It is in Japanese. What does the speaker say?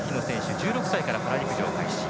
１６歳からパラ陸上を開始。